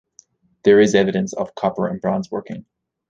There is evidence of copper and bronze working.